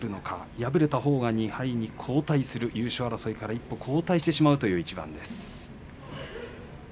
敗れたほうが２敗に後退する優勝争いから一歩後退してしまうという一番です。